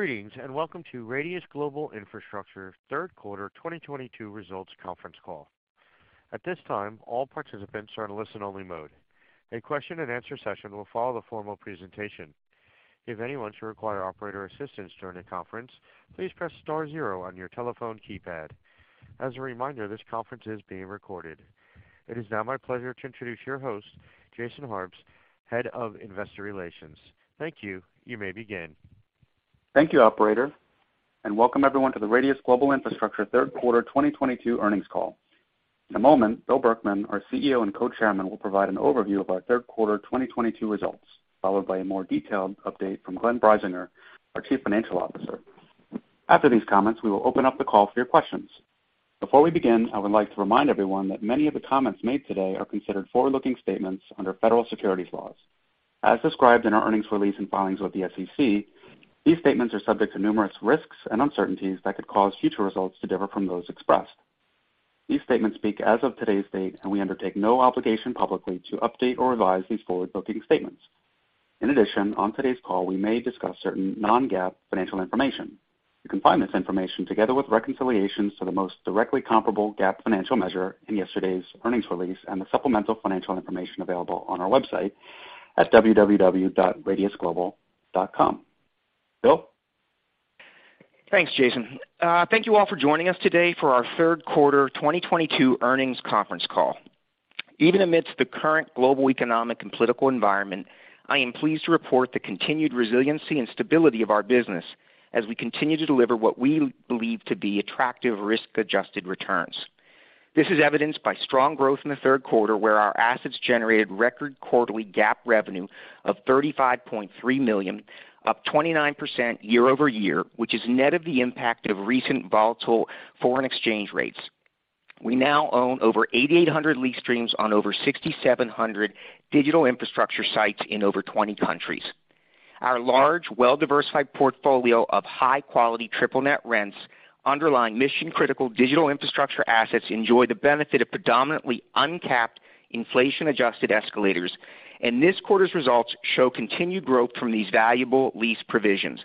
Greetings, and welcome to Radius Global Infrastructure third quarter 2022 results conference call. At this time, all participants are in listen-only mode. A question and answer session will follow the formal presentation. If anyone should require operator assistance during the conference, please press star zero on your telephone keypad. As a reminder, this conference is being recorded. It is now my pleasure to introduce your host, Jason Harbes, Head of Investor Relations. Thank you. You may begin. Thank you, operator, and welcome everyone to the Radius Global Infrastructure third quarter 2022 earnings call. In a moment, Bill Berkman, our CEO and Co-Chairman, will provide an overview of our third quarter 2022 results, followed by a more detailed update from Glenn Breisinger, our Chief Financial Officer. After these comments, we will open up the call for your questions. Before we begin, I would like to remind everyone that many of the comments made today are considered forward-looking statements under federal securities laws. As described in our earnings release and filings with the SEC, these statements are subject to numerous risks and uncertainties that could cause future results to differ from those expressed. These statements speak as of today's date, and we undertake no obligation publicly to update or revise these forward-looking statements. In addition, on today's call, we may discuss certain non-GAAP financial information. You can find this information, together with reconciliations to the most directly comparable GAAP financial measure in yesterday's earnings release and the supplemental financial information available on our website at www.radiusglobal.com. Bill? Thanks, Jason. Thank you all for joining us today for our third quarter 2022 earnings conference call. Even amidst the current global economic and political environment, I am pleased to report the continued resiliency and stability of our business as we continue to deliver what we believe to be attractive risk-adjusted returns. This is evidenced by strong growth in the third quarter, where our assets generated record quarterly GAAP revenue of $35.3 million, up 29% year-over-year, which is net of the impact of recent volatile foreign exchange rates. We now own over 8,800 lease streams on over 6,700 digital infrastructure sites in over 20 countries. Our large, well-diversified portfolio of high-quality triple net rents underlying mission-critical digital infrastructure assets enjoy the benefit of predominantly uncapped inflation-adjusted escalators, and this quarter's results show continued growth from these valuable lease provisions.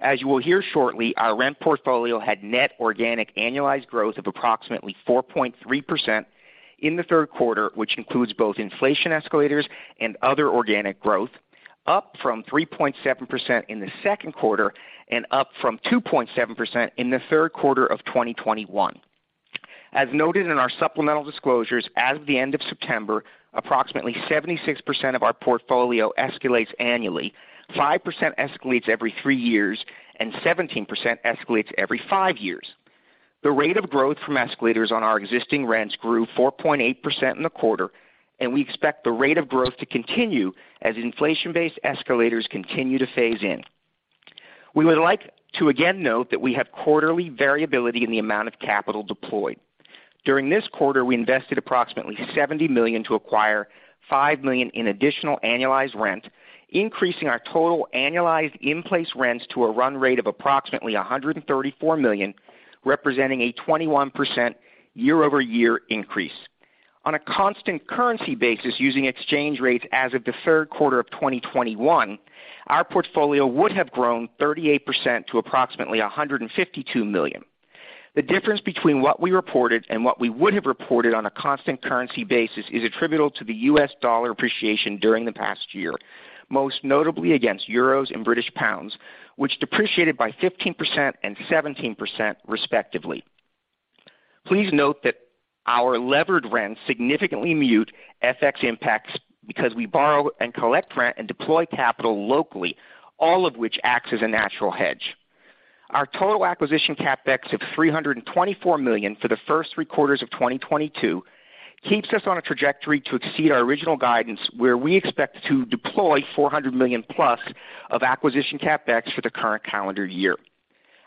As you will hear shortly, our rent portfolio had net organic annualized growth of approximately 4.3% in the third quarter, which includes both inflation escalators and other organic growth, up from 3.7% in the second quarter and up from 2.7% in the third quarter of 2021. As noted in our supplemental disclosures, as of the end of September, approximately 76% of our portfolio escalates annually. 5% escalates every three years, and 17% escalates every five years. The rate of growth from escalators on our existing rents grew 4.8% in the quarter, and we expect the rate of growth to continue as inflation-based escalators continue to phase in. We would like to again note that we have quarterly variability in the amount of capital deployed. During this quarter, we invested approximately $70 million to acquire $5 million in additional annualized rent, increasing our total annualized in-place rents to a run rate of approximately $134 million, representing a 21% year-over-year increase. On a constant currency basis using exchange rates as of the third quarter of 2021, our portfolio would have grown 38% to approximately $152 million. The difference between what we reported and what we would have reported on a constant currency basis is attributable to the U.S. dollar appreciation during the past year, most notably against euros and British pounds, which depreciated by 15% and 17% respectively. Please note that our levered rents significantly mute FX impacts because we borrow and collect rent and deploy capital locally, all of which acts as a natural hedge. Our total acquisition CapEx of $324 million for the first three quarters of 2022 keeps us on a trajectory to exceed our original guidance, where we expect to deploy $400 million+ of acquisition CapEx for the current calendar year.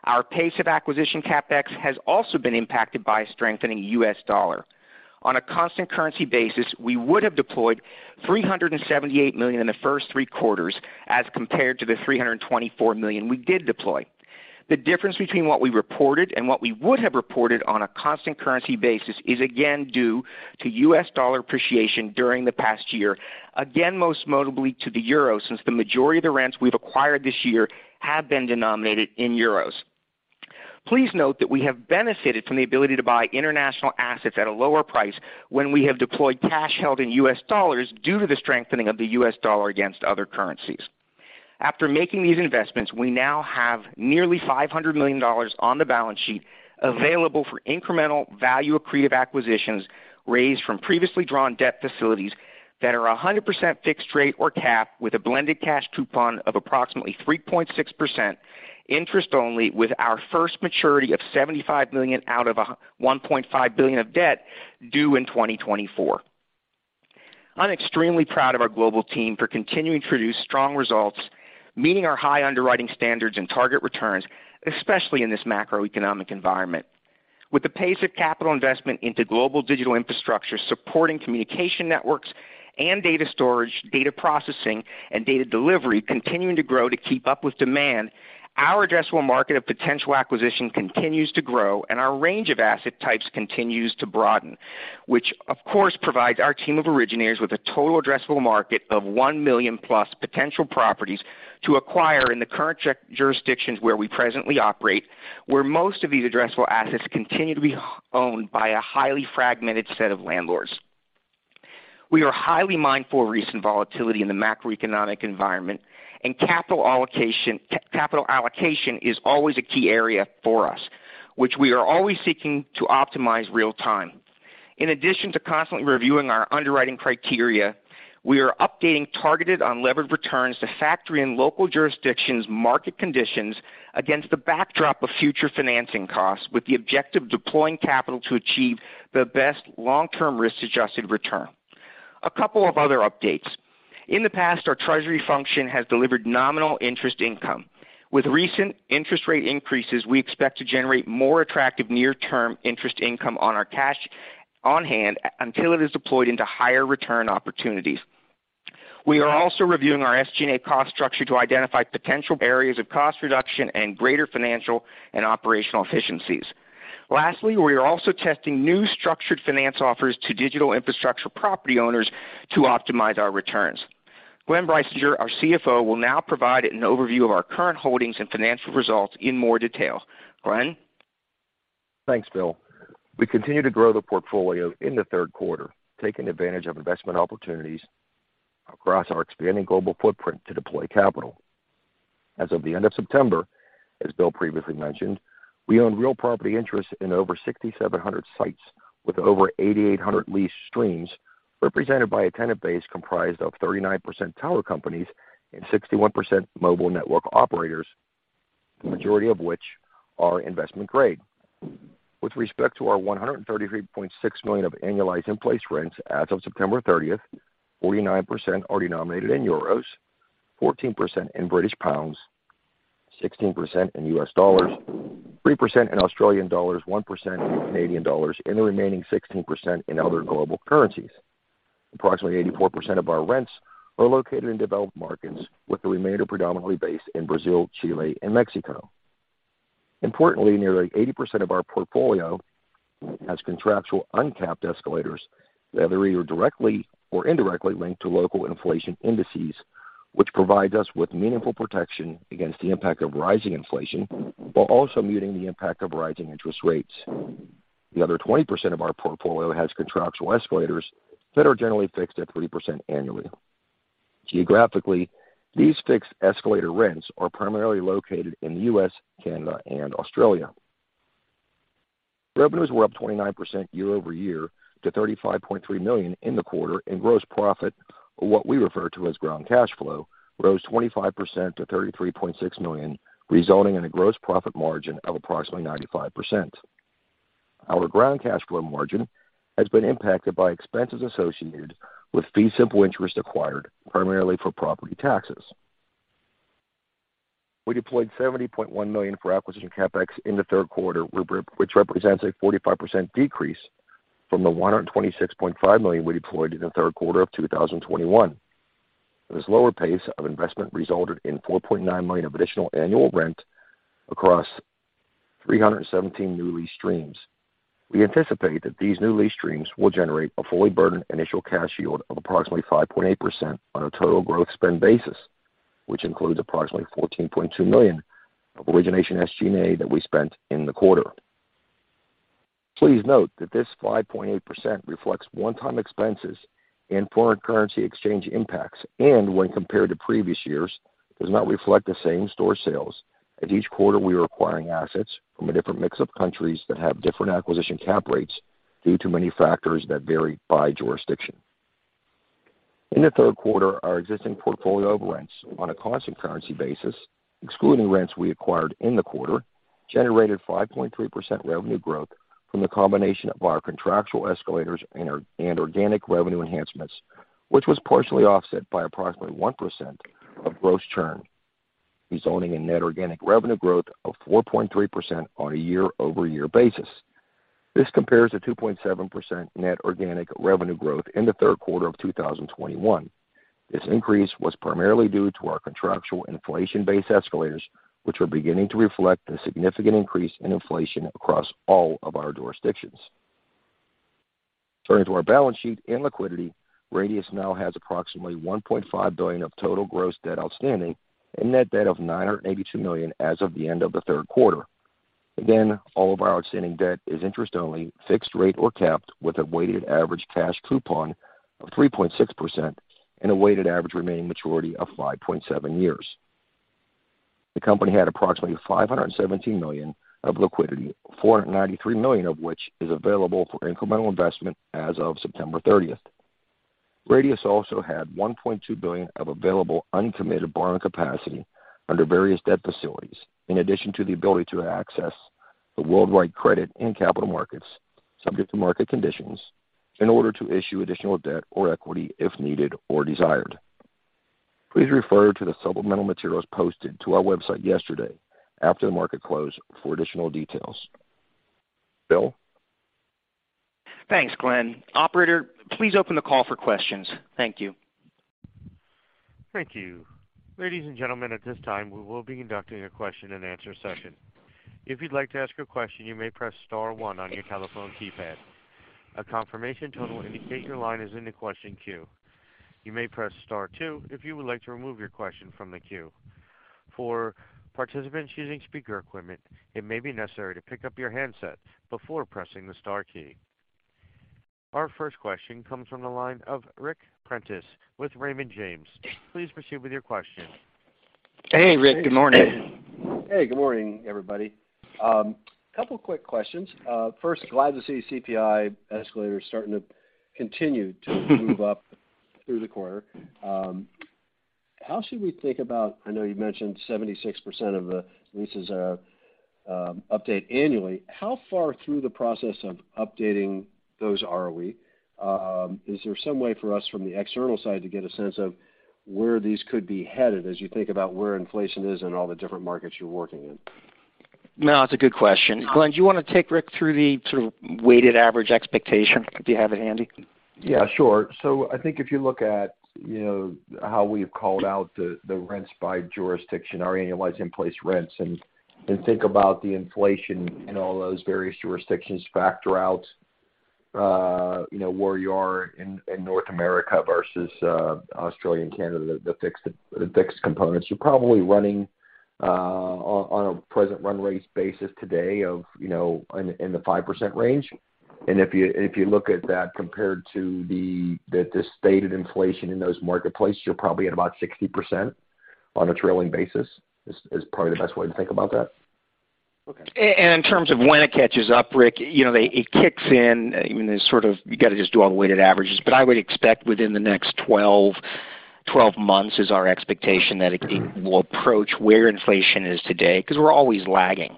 Our pace of acquisition CapEx has also been impacted by a strengthening US dollar. On a constant currency basis, we would have deployed $378 million in the first three quarters as compared to the $324 million we did deploy. The difference between what we reported and what we would have reported on a constant currency basis is again due to US dollar appreciation during the past year, again, most notably to the euro since the majority of the rents we've acquired this year have been denominated in euros. Please note that we have benefited from the ability to buy international assets at a lower price when we have deployed cash held in U.S. dollars due to the strengthening of the U.S. dollar against other currencies. After making these investments, we now have nearly $500 million on the balance sheet available for incremental value accretive acquisitions raised from previously drawn debt facilities that are 100% fixed rate or capped with a blended cash coupon of approximately 3.6% interest only with our first maturity of $75 million out of $1.5 billion of debt due in 2024. I'm extremely proud of our global team for continuing to produce strong results, meeting our high underwriting standards and target returns, especially in this macroeconomic environment. With the pace of capital investment into global digital infrastructure supporting communication networks and data storage, data processing, and data delivery continuing to grow to keep up with demand, our addressable market of potential acquisition continues to grow, and our range of asset types continues to broaden, which of course provides our team of originators with a total addressable market of 1 million+ potential properties to acquire in the current jurisdictions where we presently operate, where most of these addressable assets continue to be owned by a highly fragmented set of landlords. We are highly mindful of recent volatility in the macroeconomic environment and capital allocation. Capital allocation is always a key area for us, which we are always seeking to optimize real time. In addition to constantly reviewing our underwriting criteria, we are updating targeted unlevered returns to factor in local jurisdictions' market conditions against the backdrop of future financing costs, with the objective of deploying capital to achieve the best long-term risk-adjusted return. A couple of other updates. In the past, our treasury function has delivered nominal interest income. With recent interest rate increases, we expect to generate more attractive near-term interest income on our cash on hand until it is deployed into higher return opportunities. We are also reviewing our SG&A cost structure to identify potential areas of cost reduction and greater financial and operational efficiencies. Lastly, we are also testing new structured finance offers to digital infrastructure property owners to optimize our returns. Glenn Breisinger, our CFO, will now provide an overview of our current holdings and financial results in more detail. Glenn? Thanks, Bill. We continued to grow the portfolio in the third quarter, taking advantage of investment opportunities across our expanding global footprint to deploy capital. As of the end of September, as Bill previously mentioned, we own real property interests in over 6,700 sites, with over 8,800 lease streams represented by a tenant base comprised of 39% tower companies and 61% mobile network operators, the majority of which are investment grade. With respect to our $133.6 million of annualized in-place rents as of September 30th, 49% are denominated in euros, 14% in British pounds, 16% in US dollars, 3% in Australian dollars, 1% in Canadian dollars, and the remaining 16% in other global currencies. Approximately 84% of our rents are located in developed markets, with the remainder predominantly based in Brazil, Chile, and Mexico. Importantly, nearly 80% of our portfolio has contractual uncapped escalators that are either directly or indirectly linked to local inflation indices, which provides us with meaningful protection against the impact of rising inflation while also muting the impact of rising interest rates. The other 20% of our portfolio has contractual escalators that are generally fixed at 3% annually. Geographically, these fixed escalator rents are primarily located in the U.S., Canada, and Australia. Revenues were up 29% year-over-year to $35.3 million in the quarter, and gross profit, or what we refer to as Ground Cash Flow, rose 25% to $33.6 million, resulting in a gross profit margin of approximately 95%. Our Ground Cash Flow margin has been impacted by expenses associated with fee simple interest acquired primarily for property taxes. We deployed $70.1 million for acquisition CapEx in the third quarter, which represents a 45% decrease from the $126.5 million we deployed in the third quarter of 2021. This lower pace of investment resulted in $4.9 million of additional annual rent across 317 new lease streams. We anticipate that these new lease streams will generate a fully burdened initial cash yield of approximately 5.8% on a total growth spend basis, which includes approximately $14.2 million of origination SG&A that we spent in the quarter. Please note that this 5.8% reflects one-time expenses and foreign currency exchange impacts and when compared to previous years, does not reflect the same-store sales, as each quarter we are acquiring assets from a different mix of countries that have different acquisition cap rates due to many factors that vary by jurisdiction. In the third quarter, our existing portfolio of rents on a constant currency basis, excluding rents we acquired in the quarter, generated 5.3% revenue growth from the combination of our contractual escalators and our organic revenue enhancements, which was partially offset by approximately 1% of gross churn, resulting in net organic revenue growth of 4.3% on a year-over-year basis. This compares to 2.7% net organic revenue growth in the third quarter of 2021. This increase was primarily due to our contractual inflation-based escalators, which are beginning to reflect the significant increase in inflation across all of our jurisdictions. Turning to our balance sheet and liquidity, Radius now has approximately $1.5 billion of total gross debt outstanding and net debt of $982 million as of the end of the third quarter. Again, all of our outstanding debt is interest-only, fixed rate or capped with a weighted average cash coupon of 3.6% and a weighted average remaining maturity of 5.7 years. The company had approximately $517 million of liquidity, $493 million of which is available for incremental investment as of September 30th. Radius also had $1.2 billion of available uncommitted borrowing capacity under various debt facilities, in addition to the ability to access the worldwide credit and capital markets subject to market conditions in order to issue additional debt or equity if needed or desired. Please refer to the supplemental materials posted to our website yesterday after the market closed for additional details. Bill? Thanks, Glenn. Operator, please open the call for questions. Thank you. Thank you. Ladies and gentlemen, at this time, we will be conducting a question-and-answer session. If you'd like to ask a question, you may press star one on your telephone keypad. A confirmation tone will indicate your line is in the question queue. You may press star two if you would like to remove your question from the queue. For participants using speaker equipment, it may be necessary to pick up your handset before pressing the star key. Our first question comes from the line of Ric Prentiss with Raymond James. Please proceed with your question. Hey, Ric. Good morning. Hey, good morning, everybody. Couple quick questions. First, glad to see CPI escalators starting to continue to move up through the quarter. How should we think about? I know you mentioned 76% of the leases are updated annually. How far through the process of updating those are we? Is there some way for us from the external side to get a sense of where these could be headed as you think about where inflation is in all the different markets you're working in? No, it's a good question. Glenn, do you wanna take Ric through the sort of weighted average expectation if you have it handy? Yeah, sure. I think if you look at, you know, how we've called out the rents by jurisdiction, our annualized in-place rents, and think about the inflation in all those various jurisdictions, factor out, you know, where you are in North America versus Australia and Canada, the fixed components. You're probably running on a present run rate basis today of, you know, in the 5% range. If you look at that compared to the stated inflation in those marketplaces, you're probably at about 60% on a trailing basis, is probably the best way to think about that. Okay. In terms of when it catches up, Rick, you know, it kicks in, I mean, there's sort of you gotta just do all the weighted averages. I would expect within the next 12 months is our expectation that it will approach where inflation is today, 'cause we're always lagging.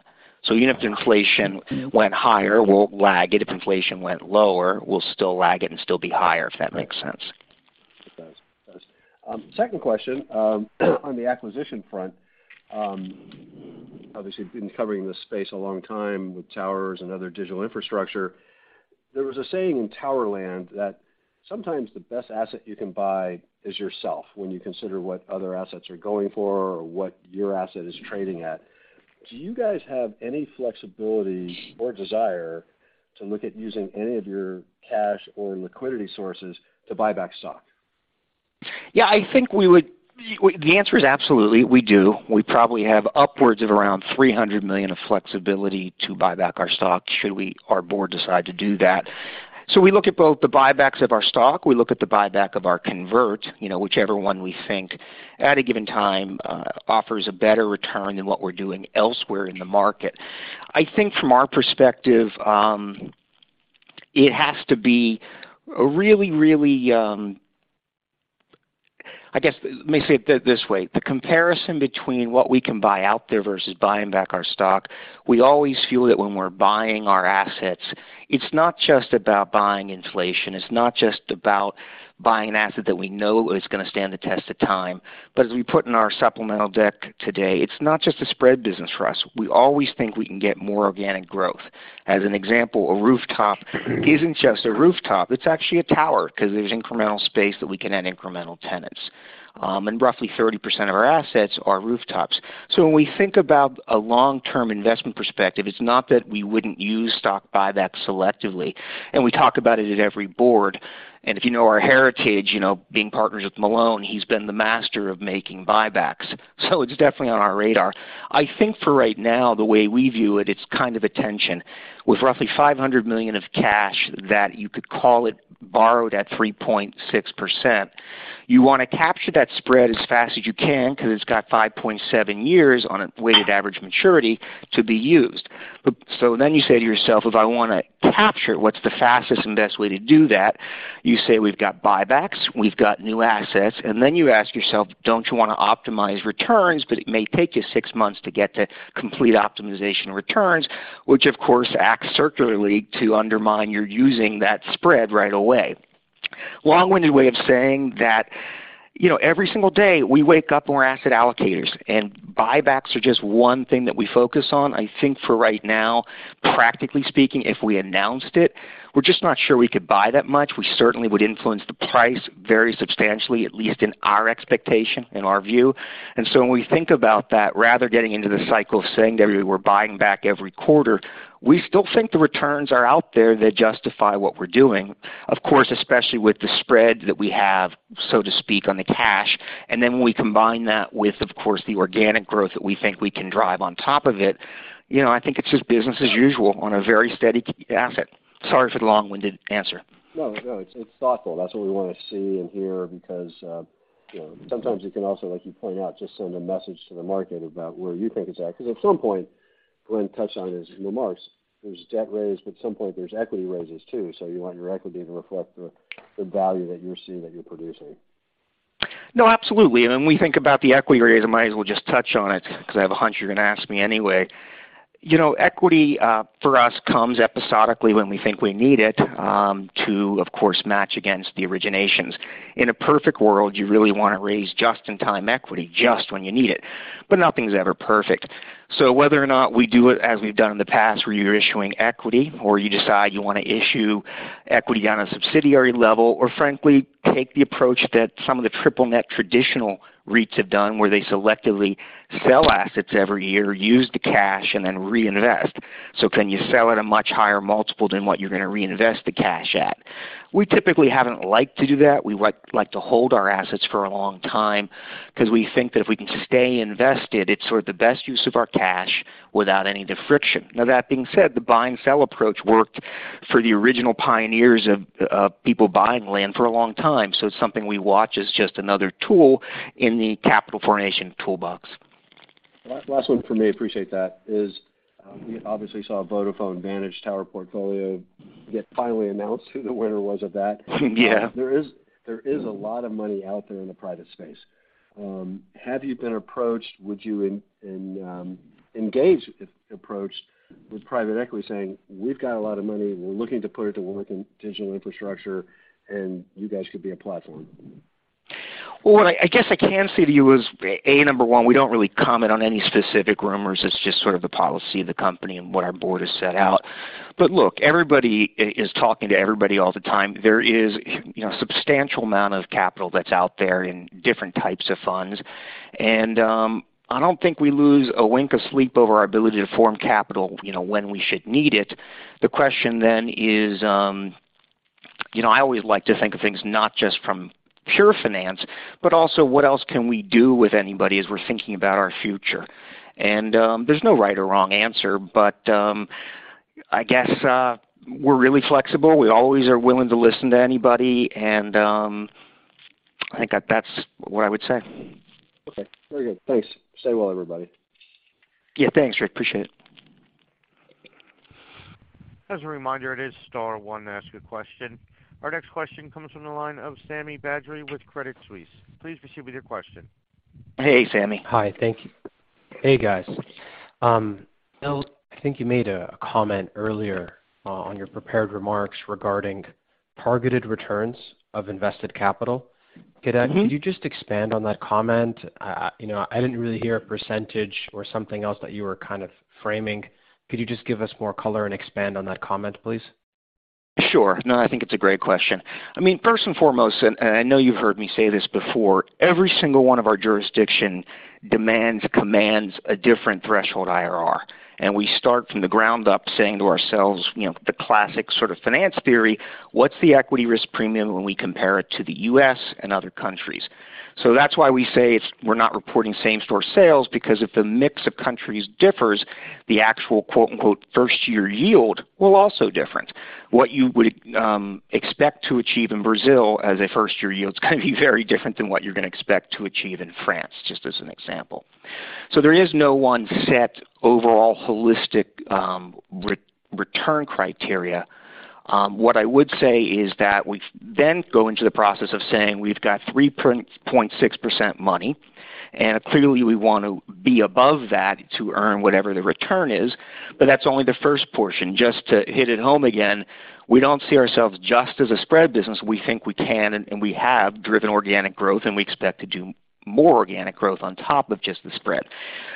Even if inflation went higher, we'll lag it. If inflation went lower, we'll still lag it and still be higher, if that makes sense. It does. Second question, on the acquisition front. Obviously, you've been covering this space a long time with towers and other digital infrastructure. There was a saying in tower land that sometimes the best asset you can buy is yourself, when you consider what other assets are going for or what your asset is trading at. Do you guys have any flexibility or desire to look at using any of your cash or liquidity sources to buy back stock? The answer is absolutely, we do. We probably have upwards of around $300 million of flexibility to buy back our stock, should we, our board decide to do that. We look at both the buybacks of our stock, we look at the buyback of our convert, you know, whichever one we think at a given time, offers a better return than what we're doing elsewhere in the market. I think from our perspective, it has to be a really, really. I guess, let me say it this way. The comparison between what we can buy out there versus buying back our stock, we always feel that when we're buying our assets, it's not just about buying inflation, it's not just about buying an asset that we know is gonna stand the test of time. As we put in our supplemental deck today, it's not just a spread business for us. We always think we can get more organic growth. As an example, a rooftop isn't just a rooftop, it's actually a tower 'cause there's incremental space that we can add incremental tenants. Roughly 30% of our assets are rooftops. When we think about a long-term investment perspective, it's not that we wouldn't use stock buyback selectively, and we talk about it at every board. If you know our heritage, you know, being partners with Malone, he's been the master of making buybacks. It's definitely on our radar. I think for right now, the way we view it's kind of a tension. With roughly $500 million of cash that you could call it borrowed at 3.6%, you wanna capture that spread as fast as you can 'cause it's got 5.7 years on a weighted average maturity to be used. You say to yourself, "If I wanna capture it, what's the fastest and best way to do that?" You say, "We've got buybacks, we've got new assets." You ask yourself, don't you wanna optimize returns? It may take you six months to get to complete optimization returns, which of course acts circularly to undermine your using that spread right away. Long-winded way of saying that, you know, every single day we wake up and we're asset allocators, and buybacks are just one thing that we focus on. I think for right now, practically speaking, if we announced it, we're just not sure we could buy that much. We certainly would influence the price very substantially, at least in our expectation, in our view. When we think about that, rather getting into the cycle of saying to everybody we're buying back every quarter, we still think the returns are out there that justify what we're doing. Of course, especially with the spread that we have, so to speak, on the cash, and then when we combine that with, of course, the organic growth that we think we can drive on top of it, you know, I think it's just business as usual on a very steady asset. Sorry for the long-winded answer. No, no, it's thoughtful. That's what we wanna see and hear because, you know, sometimes you can also, like you point out, just send a message to the market about where you think it's at. 'Cause at some point, Glenn touched on his remarks, there's debt raised, but at some point, there's equity raises too, so you want your equity to reflect the value that you're seeing that you're producing. No, absolutely. When we think about the equity raise, I might as well just touch on it because I have a hunch you're gonna ask me anyway. You know, equity for us comes episodically when we think we need it to, of course, match against the originations. In a perfect world, you really wanna raise just-in-time equity just when you need it, but nothing's ever perfect. Whether or not we do it as we've done in the past, where you're issuing equity or you decide you wanna issue equity on a subsidiary level or frankly, take the approach that some of the triple net traditional REITs have done, where they selectively sell assets every year, use the cash and then reinvest. Can you sell at a much higher multiple than what you're gonna reinvest the cash at? We typically haven't liked to do that. We like to hold our assets for a long time because we think that if we can stay invested, it's sort of the best use of our cash without any friction. Now that being said, the buy and sell approach worked for the original pioneers of people buying land for a long time. It's something we watch as just another tool in the capital formation toolbox. Last one for me. Appreciate that. As we obviously saw Vodafone Vantage Towers portfolio get finally announced, who the winner was of that. Yeah. There is a lot of money out there in the private space. Have you been approached? Would you engage if approached with private equity saying, "We've got a lot of money, we're looking to put it to work in digital infrastructure, and you guys could be a platform"? Well, I guess I can say to you is, A, number one, we don't really comment on any specific rumors. It's just sort of the policy of the company and what our board has set out. Look, everybody is talking to everybody all the time. There is, you know, substantial amount of capital that's out there in different types of funds. I don't think we lose a wink of sleep over our ability to form capital, you know, when we should need it. The question then is, you know, I always like to think of things not just from pure finance, but also what else can we do with anybody as we're thinking about our future. There's no right or wrong answer, but I guess we're really flexible. We always are willing to listen to anybody and, I think that's what I would say. Okay, very good. Thanks. Stay well, everybody. Yeah, thanks, Rick. Appreciate it. As a reminder, it is star one to ask a question. Our next question comes from the line of Sami Badri with Credit Suisse. Please proceed with your question. Hey, Sami. Hi. Thank you. Hey, guys. Bill, I think you made a comment earlier on your prepared remarks regarding targeted returns of invested capital. Could Could you just expand on that comment? You know, I didn't really hear a percentage or something else that you were kind of framing. Could you just give us more color and expand on that comment, please? Sure. No, I think it's a great question. I mean, first and foremost, and I know you've heard me say this before, every single one of our jurisdiction demands, commands a different threshold IRR. We start from the ground up saying to ourselves, you know, the classic sort of finance theory, what's the equity risk premium when we compare it to the U.S. and other countries? That's why we say it's, we're not reporting same-store sales because if the mix of countries differs, the actual quote, unquote, "first year yield" will also different. What you would expect to achieve in Brazil as a first year yield is gonna be very different than what you're gonna expect to achieve in France, just as an example. There is no one set overall holistic return criteria. What I would say is that we then go into the process of saying we've got 3.6% money, and clearly we want to be above that to earn whatever the return is. That's only the first portion. Just to hit it home again, we don't see ourselves just as a spread business. We think we can and we have driven organic growth, and we expect to do more organic growth on top of just the spread.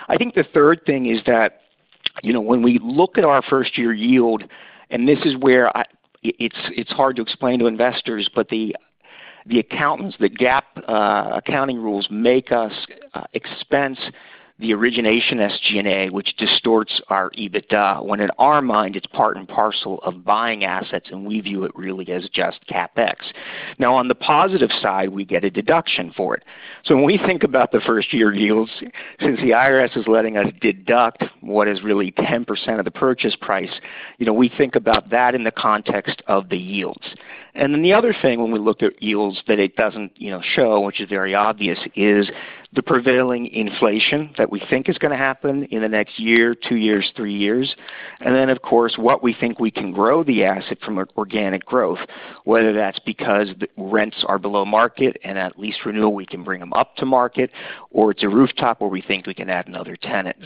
I think the third thing is that, you know, when we look at our first-year yield, and this is where it's hard to explain to investors, but the accountants, the GAAP accounting rules make us expense the origination SG&A, which distorts our EBITDA, when in our mind, it's part and parcel of buying assets, and we view it really as just CapEx. Now on the positive side, we get a deduction for it. When we think about the first-year yields, since the IRS is letting us deduct what is really 10% of the purchase price, you know, we think about that in the context of the yields. The other thing when we look at yields that it doesn't, you know, show, which is very obvious, is the prevailing inflation that we think is gonna happen in the next year, two years, three years. Of course, what we think we can grow the asset from organic growth, whether that's because the rents are below market and at lease renewal we can bring them up to market, or it's a rooftop where we think we can add another tenant.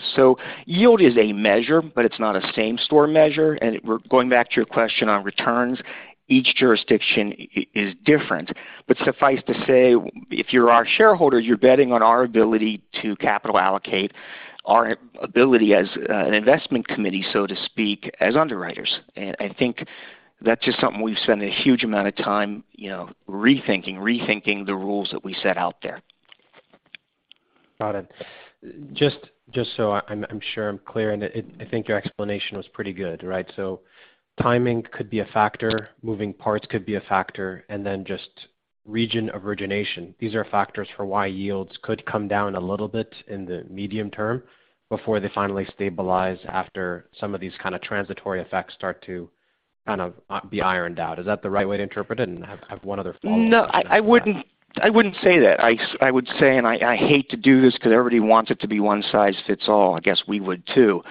Yield is a measure, but it's not a same store measure. Going back to your question on returns, each jurisdiction is different. Suffice to say, if you're our shareholder, you're betting on our ability to capital allocate our ability as an investment committee, so to speak, as underwriters. I think that's just something we've spent a huge amount of time, you know, rethinking the rules that we set out there. Got it. Just so I'm sure I'm clear, and I think your explanation was pretty good, right? Timing could be a factor, moving parts could be a factor, and then just region of origination. These are factors for why yields could come down a little bit in the medium term before they finally stabilize after some of these kind of transitory effects start to kind of be ironed out. Is that the right way to interpret it? I have one other follow-up. No, I wouldn't say that. I would say, and I hate to do this 'cause everybody wants it to be one size fits all. I guess we would too.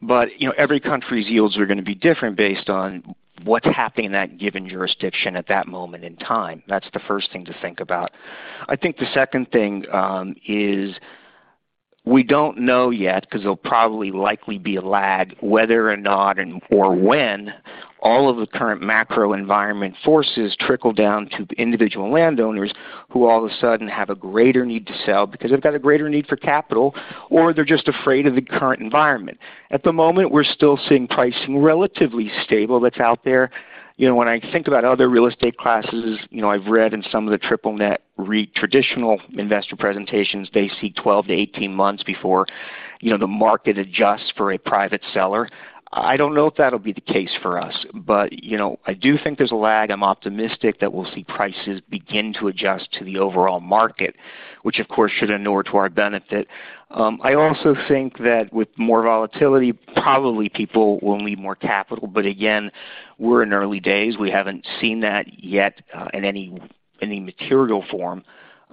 You know, every country's yields are gonna be different based on what's happening in that given jurisdiction at that moment in time. That's the first thing to think about. I think the second thing is we don't know yet because there'll probably likely be a lag whether or not and or when all of the current macro environment forces trickle down to individual landowners who all of a sudden have a greater need to sell because they've got a greater need for capital, or they're just afraid of the current environment. At the moment, we're still seeing pricing relatively stable that's out there. You know, when I think about other real estate classes, you know, I've read in some of the triple net REIT traditional investor presentations, they see 12-18 months before, you know, the market adjusts for a private seller. I don't know if that'll be the case for us, but, you know, I do think there's a lag. I'm optimistic that we'll see prices begin to adjust to the overall market, which of course should inure to our benefit. I also think that with more volatility, probably people will need more capital. Again, we're in early days. We haven't seen that yet in any material form.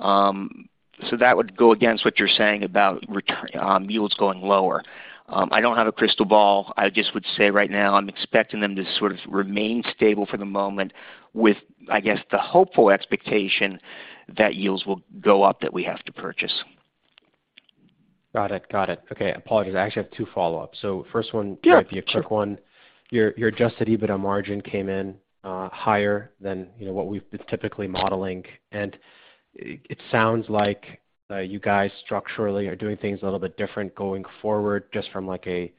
So that would go against what you're saying about return yields going lower. I don't have a crystal ball. I just would say right now I'm expecting them to sort of remain stable for the moment with, I guess, the hopeful expectation that yields will go up, that we have to purchase. Got it. Okay. Apologies, I actually have two follow-ups. First one. Yeah. Sure. It might be a quick one. Your adjusted EBITDA margin came in higher than, you know, what we've been typically modeling. It sounds like you guys structurally are doing things a little bit different going forward just from like a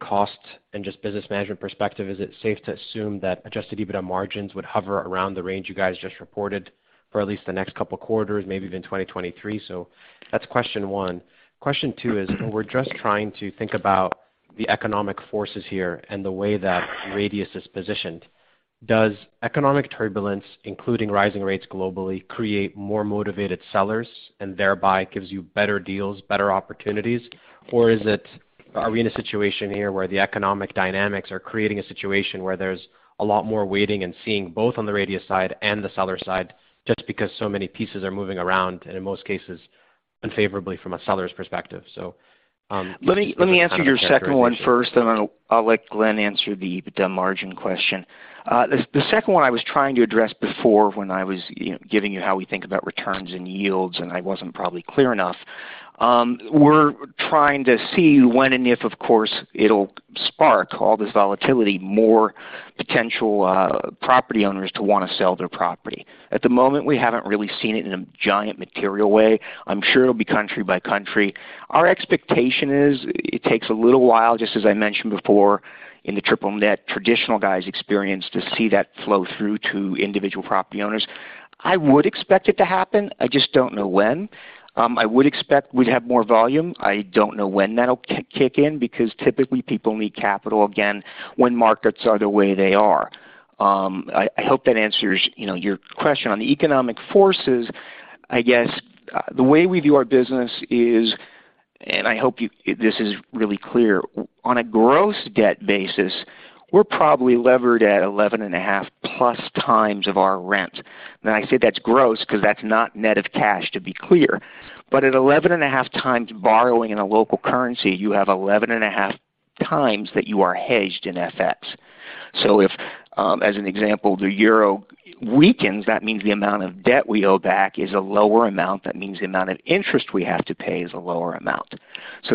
cost and just business management perspective. Is it safe to assume that adjusted EBITDA margins would hover around the range you guys just reported for at least the next couple quarters, maybe even 2023? So that's question one. Question two is, we're just trying to think about the economic forces here and the way that Radius is positioned. Does economic turbulence, including rising rates globally, create more motivated sellers and thereby gives you better deals, better opportunities? Is it, are we in a situation here where the economic dynamics are creating a situation where there's a lot more waiting and seeing, both on the Radius side and the seller side, just because so many pieces are moving around, and in most cases unfavorably from a seller's perspective? Let me answer your second one first, and then I'll let Glenn Breisinger answer the EBITDA margin question. The second one I was trying to address before when I was, you know, giving you how we think about returns and yields, and I wasn't probably clear enough. We're trying to see when and if, of course, it'll spark all this volatility, more potential property owners to wanna sell their property. At the moment, we haven't really seen it in any material way. I'm sure it'll be country by country. Our expectation is it takes a little while, just as I mentioned before, in the triple-net traditional guys' experience, to see that flow through to individual property owners. I would expect it to happen. I just don't know when. I would expect we'd have more volume. I don't know when that'll kick in, because typically people need capital, again, when markets are the way they are. I hope that answers, you know, your question. On the economic forces, I guess, the way we view our business is. I hope this is really clear. On a gross debt basis, we're probably levered at 11.5+x of our rent. Now I say that's gross because that's not net of cash, to be clear. But at 11.5x borrowing in a local currency, you have 11.5x that you are hedged in FX. If, as an example, the euro weakens, that means the amount of debt we owe back is a lower amount, that means the amount of interest we have to pay is a lower amount.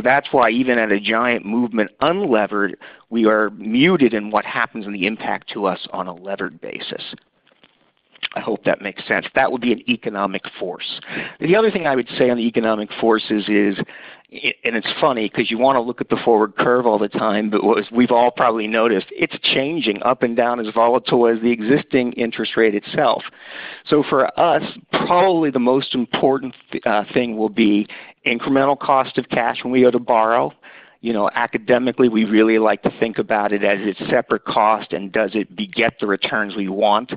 That's why even at a giant movement unlevered, we are muted in what happens in the impact to us on a levered basis. I hope that makes sense. That would be an economic force. The other thing I would say on the economic forces is, and it's funny because you wanna look at the forward curve all the time, but as we've all probably noticed, it's changing up and down as volatile as the existing interest rate itself. For us, probably the most important thing will be incremental cost of cash when we go to borrow. You know, academically, we really like to think about it as its separate cost and does it beget the returns we want.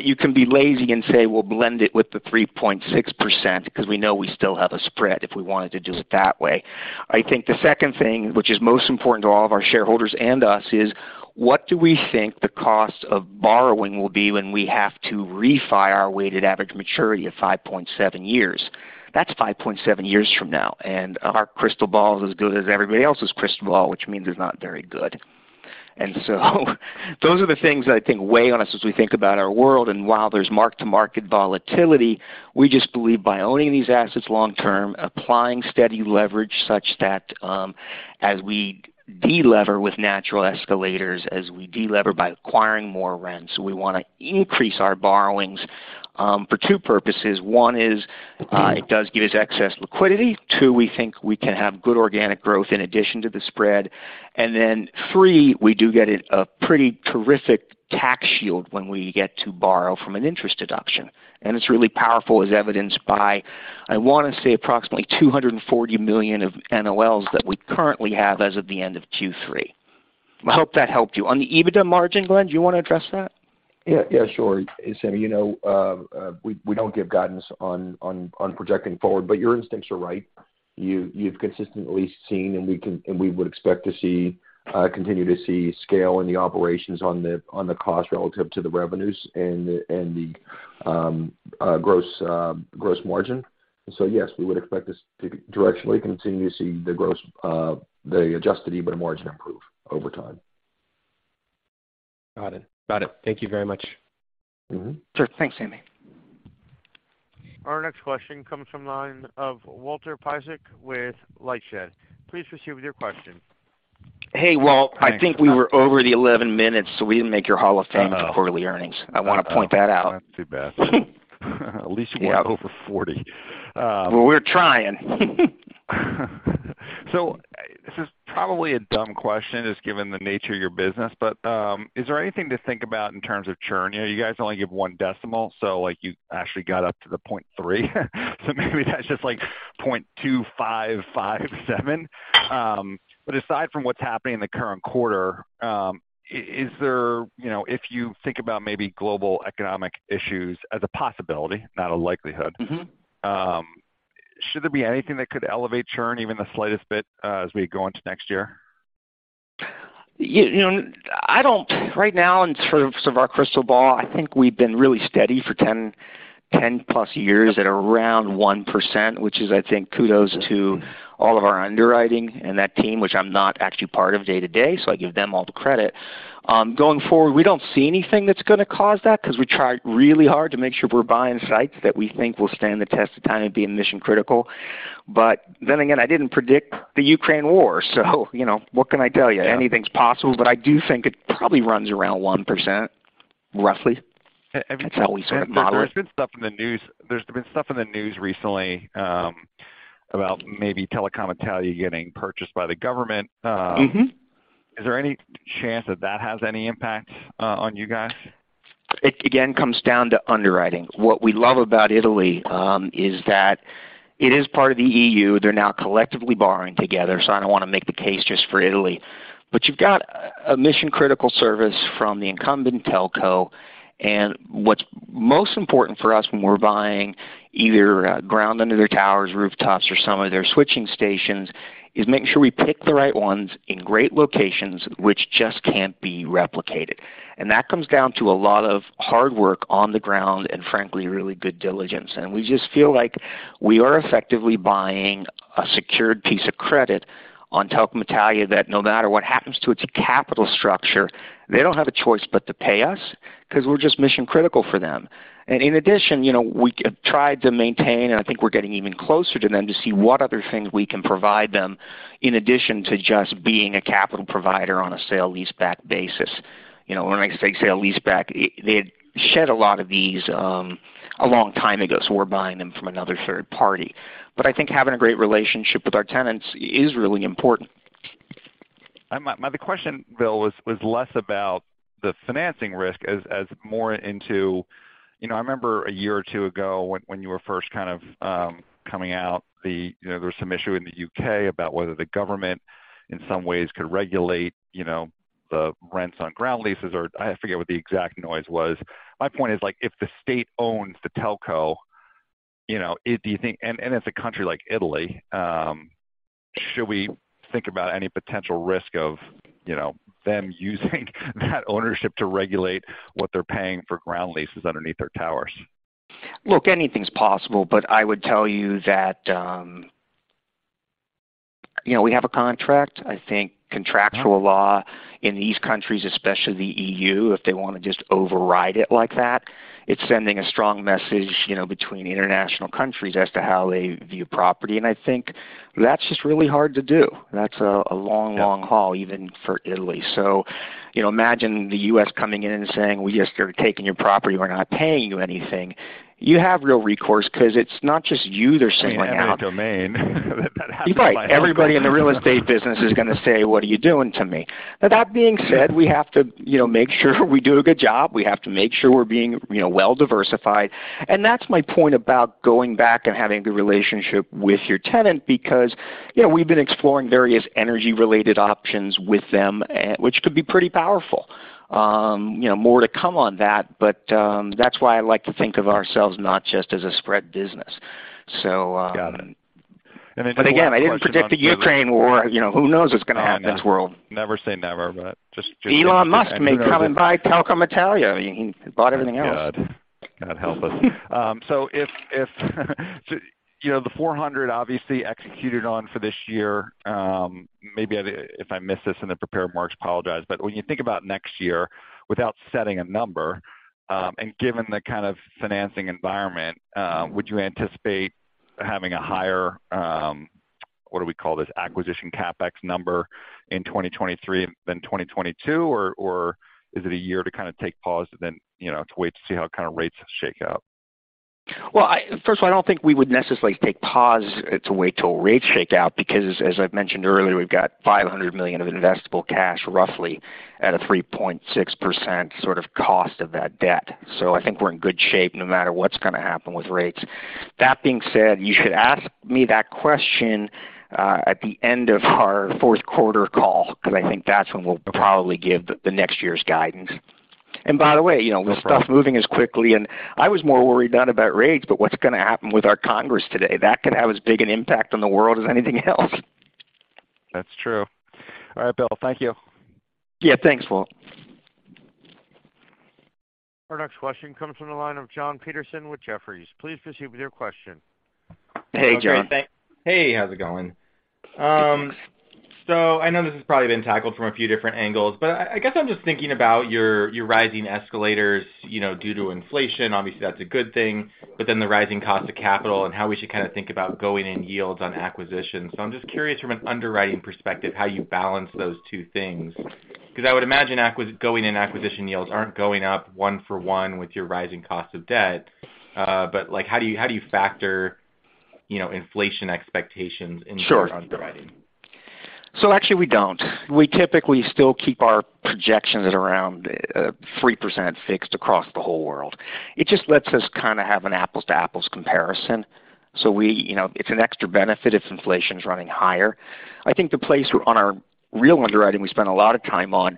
You can be lazy and say, we'll blend it with the 3.6% because we know we still have a spread if we wanted to do it that way. I think the second thing, which is most important to all of our shareholders and us, is what do we think the cost of borrowing will be when we have to refi our weighted average maturity of 5.7 years? That's 5.7 years from now, and our crystal ball is as good as everybody else's crystal ball, which means it's not very good. While there's mark-to-market volatility, we just believe by owning these assets long term, applying steady leverage such that, as we delever with natural escalators, as we delever by acquiring more rent. We wanna increase our borrowings for two purposes. One is, it does give us excess liquidity. Two, we think we can have good organic growth in addition to the spread, and then three, we do get a pretty terrific tax shield when we get to borrow from an interest deduction. It's really powerful as evidenced by, I wanna say approximately 240 million of NOLs that we currently have as of the end of Q3. I hope that helped you. On the EBITDA margin, Glenn, do you wanna address that? Yeah, sure. Same, you know, we don't give guidance on projecting forward, but your instincts are right. You've consistently seen, and we would expect to see continue to see scale in the operations on the cost relative to the revenues and the gross margin. Yes, we would expect this to directly continue to see the adjusted EBITDA margin improve over time. Got it. Thank you very much. Sure. Thanks, Sami. Our next question comes from the line of Walter Piecyk with LightShed. Please proceed with your question. Hey, Walt. I think we were over the 11 minutes, so we didn't make your hall of fame for quarterly earnings. Oh. I wanna point that out. That's too bad. At least you got over 40. Well, we're trying. This is probably a dumb question, just given the nature of your business, but is there anything to think about in terms of churn here? You guys only give one decimal, so like you actually got up to .3. Maybe that's just like 0.2557. But aside from what's happening in the current quarter, is there, you know, if you think about maybe global economic issues as a possibility, not a likelihood? Mm-hmm Should there be anything that could elevate churn even the slightest bit, as we go into next year? Right now, in terms of our crystal ball, I think we've been really steady for 10+ years at around 1%, which is, I think, kudos to all of our underwriting and that team, which I'm not actually part of day-to-day, so I give them all the credit. Going forward, we don't see anything that's gonna cause that because we try really hard to make sure we're buying sites that we think will stand the test of time and being mission-critical. Then again, I didn't predict the Ukraine war, so you know, what can I tell you? Yeah. Anything's possible. I do think it probably runs around 1%, roughly. And, and- That's how we sort of model it. There's been stuff in the news recently about maybe Telecom Italia getting purchased by the government. Mm-hmm ...is there any chance that that has any impact on you guys? It again comes down to underwriting. What we love about Italy is that it is part of the EU. They're now collectively borrowing together, so I don't wanna make the case just for Italy. You've got a mission-critical service from the incumbent telco. What's most important for us when we're buying either ground under their towers, rooftops or some of their switching stations, is making sure we pick the right ones in great locations which just can't be replicated. That comes down to a lot of hard work on the ground and, frankly, really good diligence. We just feel like we are effectively buying a secured piece of credit on Telecom Italia that no matter what happens to its capital structure, they don't have a choice but to pay us 'cause we're just mission-critical for them. In addition, you know, we tried to maintain, and I think we're getting even closer to them, to see what other things we can provide them in addition to just being a capital provider on a sale-leaseback basis. You know, when I say sale-leaseback, they had shed a lot of these a long time ago, so we're buying them from another third party. I think having a great relationship with our tenants is really important. The question, Bill, was less about the financing risk as more into... You know, I remember a year or two ago when you were first kind of coming out the, you know, there was some issue in the U.K. about whether the government in some ways could regulate, you know, the rents on ground leases or I forget what the exact noise was. My point is like, if the state owns the telco, you know, do you think and it's a country like Italy, should we think about any potential risk of, you know, them using that ownership to regulate what they're paying for ground leases underneath their towers? Look, anything's possible, but I would tell you that, you know, we have a contract. I think contract law in these countries, especially the EU, if they wanna just override it like that, it's sending a strong message, you know, between international countries as to how they view property. I think that's just really hard to do. That's a long- Yeah Long haul even for Italy. You know, imagine the U.S. coming in and saying, "We're just here taking your property. We're not paying you anything." You have real recourse 'cause it's not just you they're saying that to. I mean, eminent domain. Right. Everybody in the real estate business is gonna say, "What are you doing to me?" That being said, we have to, you know, make sure we do a good job. We have to make sure we're being, you know, well diversified. That's my point about going back and having a good relationship with your tenant because, you know, we've been exploring various energy related options with them which could be pretty powerful. You know, more to come on that, but that's why I like to think of ourselves not just as a spread business. Got it. Again, I didn't predict the Ukraine war. You know, who knows what's gonna happen in this world. Never say never, but just. Elon Musk may come and buy Telecom Italia. He bought everything else. God. God help us. If you know, the 400 obviously executed on for this year, maybe if I missed this in the prepared remarks, apologize. When you think about next year, without setting a number, and given the kind of financing environment, would you anticipate having a higher, what do we call this, acquisition CapEx number in 2023 than 2022, or is it a year to kind of take pause and then, you know, to wait to see how kind of rates shake out? First of all, I don't think we would necessarily take pause to wait till rates shake out because as I've mentioned earlier, we've got $500 million of investable cash roughly at a 3.6% sort of cost of that debt. So I think we're in good shape no matter what's gonna happen with rates. That being said, you should ask me that question at the end of our fourth quarter call, 'cause I think that's when we'll probably give the next year's guidance. By the way, you know, with stuff moving as quickly and I was more worried not about rates, but what's gonna happen with our Congress today. That could have as big an impact on the world as anything else. That's true. All right, Bill. Thank you. Yeah, thanks, Walt. Our next question comes from the line of Jonathan Petersen with Jefferies. Please proceed with your question. Hey, Jonathan. Hey, how's it going? I know this has probably been tackled from a few different angles, but I guess I'm just thinking about your rising escalators, you know, due to inflation. Obviously, that's a good thing, but then the rising cost of capital and how we should kinda think about going in yields on acquisitions. I'm just curious from an underwriting perspective how you balance those two things. 'Cause I would imagine going in acquisition yields aren't going up one for one with your rising cost of debt. But, like, how do you factor, you know, inflation expectations in your underwriting? Sure. Actually we don't. We typically still keep our projections at around 3% fixed across the whole world. It just lets us kinda have an apples to apples comparison. We, you know, it's an extra benefit if inflation's running higher. I think the place where on our real underwriting we spend a lot of time on,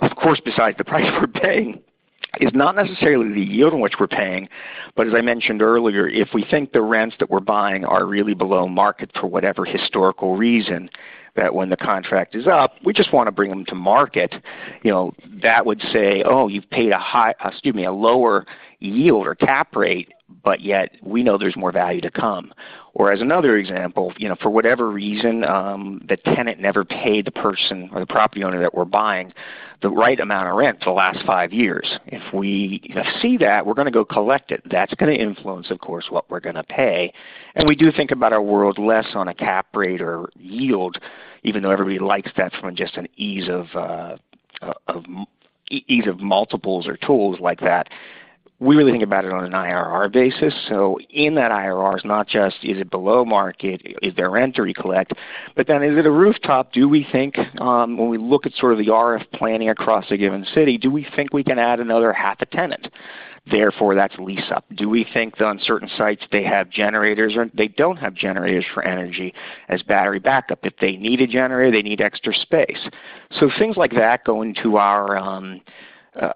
of course, besides the price we're paying, is not necessarily the yield in which we're paying, but as I mentioned earlier, if we think the rents that we're buying are really below market for whatever historical reason, that when the contract is up, we just wanna bring them to market, you know, that would say, oh, you've paid a lower yield or cap rate, but yet we know there's more value to come. As another example, you know, for whatever reason, the tenant never paid the person or the property owner that we're buying the right amount of rent for the last five years. If we see that, we're gonna go collect it. That's gonna influence, of course, what we're gonna pay. We do think about our world less on a cap rate or yield, even though everybody likes that from just an ease of multiples or tools like that. We really think about it on an IRR basis, so in that IRR is not just is it below market, is there rent to recollect, but then is it a rooftop? Do we think, when we look at sort of the RF planning across a given city, do we think we can add another half a tenant? Therefore, that's lease up. Do we think that on certain sites they have generators or they don't have generators for energy as battery backup? If they need a generator, they need extra space. Things like that go into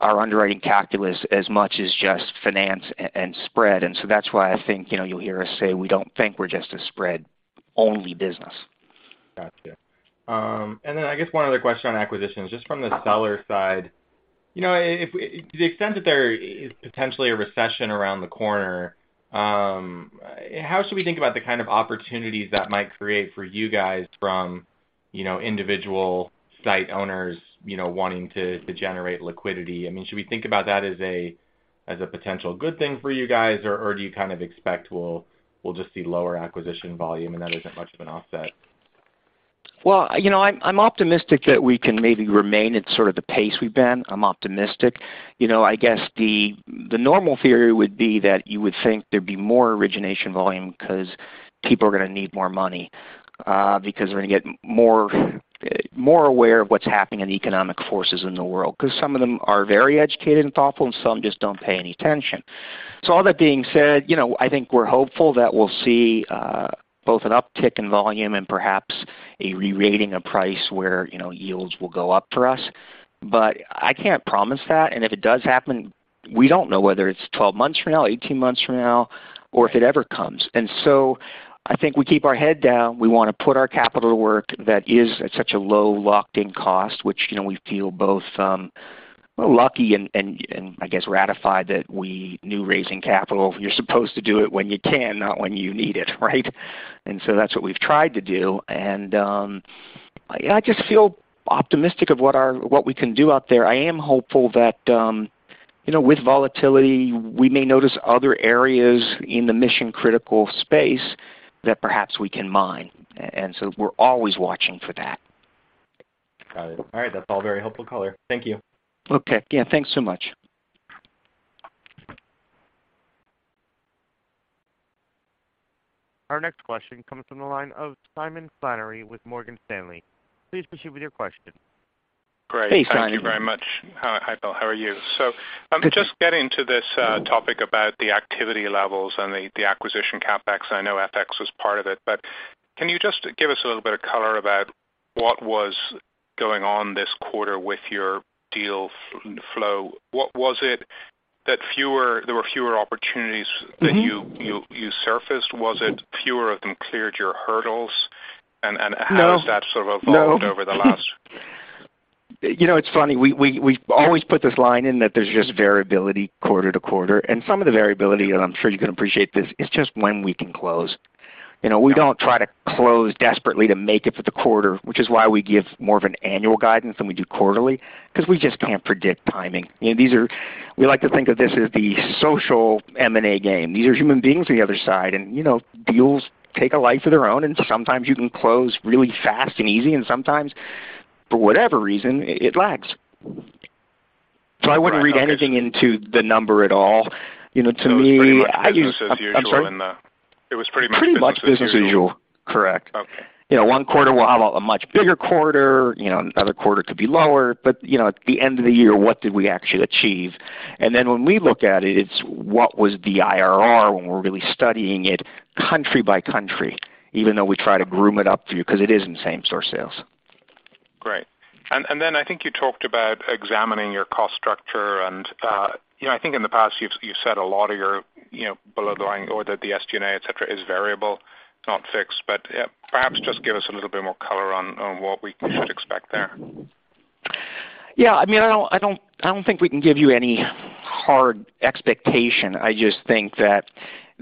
our underwriting calculus as much as just finance and spread. That's why I think, you know, you'll hear us say, we don't think we're just a spread-only business. Gotcha. I guess one other question on acquisitions, just from the seller side. You know, to the extent that there is potentially a recession around the corner, how should we think about the kind of opportunities that might create for you guys from, you know, individual site owners, you know, wanting to generate liquidity? I mean, should we think about that as a potential good thing for you guys, or do you kind of expect we'll just see lower acquisition volume and that isn't much of an offset? Well, you know, I'm optimistic that we can maybe remain at sort of the pace we've been. I'm optimistic. You know, I guess the normal theory would be that you would think there'd be more origination volume because people are gonna need more money, because they're gonna get more aware of what's happening in the economic forces in the world, 'cause some of them are very educated and thoughtful, and some just don't pay any attention. All that being said, you know, I think we're hopeful that we'll see both an uptick in volume and perhaps a rerating of price where, you know, yields will go up for us. I can't promise that, and if it does happen, we don't know whether it's 12 months from now, 18 months from now, or if it ever comes. I think we keep our head down. We wanna put our capital to work that is at such a low locked-in cost, which, you know, we feel both lucky and I guess gratified that we knew raising capital, you're supposed to do it when you can, not when you need it, right? That's what we've tried to do. I just feel optimistic of what we can do out there. I am hopeful that, you know, with volatility, we may notice other areas in the mission-critical space that perhaps we can mine. We're always watching for that. Got it. All right. That's all very helpful color. Thank you. Okay. Yeah, thanks so much. Our next question comes from the line of Simon Flannery with Morgan Stanley. Please proceed with your question. Hey, Simon. Great. Thank you very much. Hi, Bill. How are you? I'm just getting to this topic about the activity levels and the acquisition CapEx. I know FX was part of it, but can you just give us a little bit of color about what was going on this quarter with your deal flow? What was it that there were fewer opportunities? Mm-hmm. that you surfaced? Was it fewer of them cleared your hurdles? And how- No. -has that sort of evolved- No. over the last You know, it's funny. We always put this line in that there's just variability quarter to quarter, and some of the variability, and I'm sure you can appreciate this, is just when we can close. You know, we don't try to close desperately to make it for the quarter, which is why we give more of an annual guidance than we do quarterly, 'cause we just can't predict timing. We like to think of this as the social M&A game. These are human beings on the other side and, you know, deals take a life of their own, and sometimes you can close really fast and easy, and sometimes, for whatever reason, it lags. I wouldn't read anything into the number at all. You know, to me. It's pretty much business as usual. I'm sorry? It was pretty much business as usual. Pretty much business as usual. Correct. Okay. You know, one quarter we'll have a much bigger quarter, you know, and other quarter could be lower, but, you know, at the end of the year, what did we actually achieve? When we look at it's what was the IRR when we're really studying it country by country, even though we try to groom it up for you, 'cause it is in same store sales. Great. I think you talked about examining your cost structure and, you know, I think in the past you've said a lot of your, you know, below the line or that the SG&A, et cetera, is variable, not fixed. Perhaps just give us a little bit more color on what we should expect there. Yeah, I mean, I don't think we can give you any hard expectation. I just think that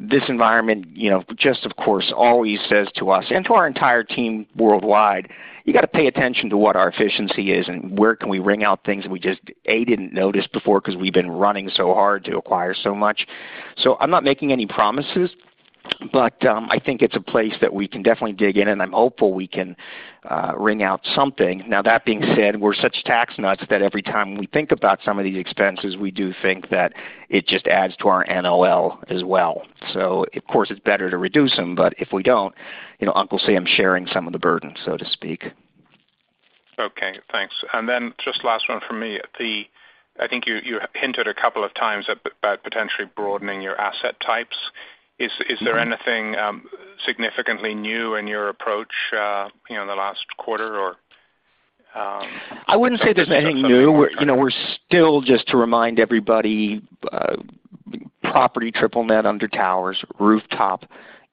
this environment, you know, just, of course, always says to us and to our entire team worldwide, you gotta pay attention to what our efficiency is and where can we wring out things that we just didn't notice before 'cause we've been running so hard to acquire so much. I'm not making any promises, but I think it's a place that we can definitely dig in, and I'm hopeful we can wring out something. Now, that being said, we're such tax nuts that every time we think about some of these expenses, we do think that it just adds to our NOL as well. Of course, it's better to reduce them, but if we don't, you know, Uncle Sam's sharing some of the burden, so to speak. Okay, thanks. Just last one from me. I think you hinted a couple of times at potentially broadening your asset types. Is there anything significantly new in your approach, you know, in the last quarter or, I wouldn't say there's anything new. You know, we're still just to remind everybody, property triple net under towers, rooftop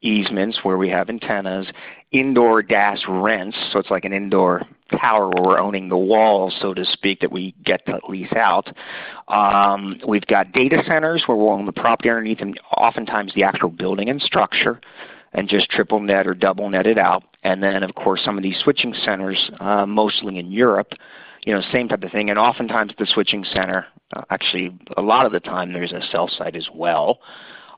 easements where we have antennas, indoor DAS rents, so it's like an indoor tower where we're owning the walls, so to speak, that we get to lease out. We've got data centers where we're on the property underneath and oftentimes the actual building and structure and just triple net or double net it out. Of course, some of these switching centers, mostly in Europe, you know, same type of thing. Oftentimes the switching center, actually a lot of the time there's a cell site as well.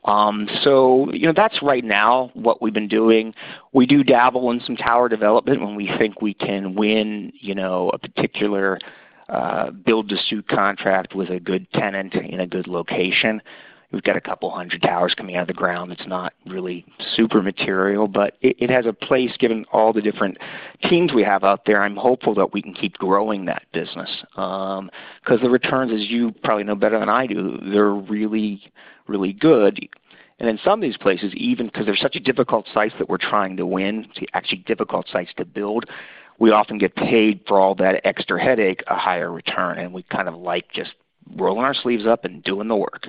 You know, that's right now what we've been doing. We do dabble in some tower development when we think we can win, you know, a particular build-to-suit contract with a good tenant in a good location. We've got a couple hundred towers coming out of the ground. It's not really super material, but it has a place. Given all the different teams we have out there, I'm hopeful that we can keep growing that business, 'cause the returns, as you probably know better than I do, they're really, really good. In some of these places, even 'cause they're such a difficult sites that we're trying to win, it's actually difficult sites to build. We often get paid for all that extra headache, a higher return, and we kind of like just rolling our sleeves up and doing the work.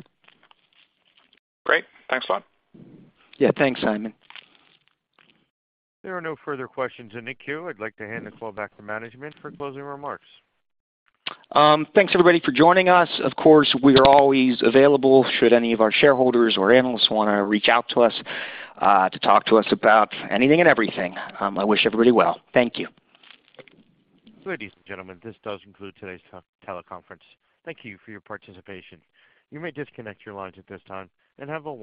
Great. Thanks a lot. Yeah, thanks, Simon. There are no further questions in the queue. I'd like to hand the call back to management for closing remarks. Thanks everybody for joining us. Of course, we are always available should any of our shareholders or analysts wanna reach out to us, to talk to us about anything and everything. I wish everybody well. Thank you. Ladies and gentlemen, this does conclude today's teleconference. Thank you for your participation. You may disconnect your lines at this time and have a wonderful day.